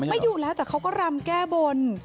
ไม่อยู่แล้วแต่เขาก็รำแก้บน